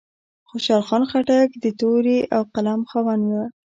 خوشحال خان خټک د تورې او قلم خاوند و.